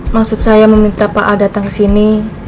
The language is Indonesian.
maksud saya meminta pak al datang sini